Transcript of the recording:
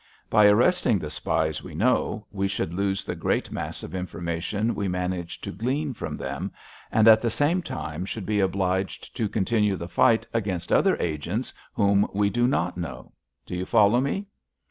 By arresting the spies we know, we should lose the great mass of information we manage to glean from them, and at the same time should be obliged to continue the fight against other agents whom we do not know. Do you follow me?"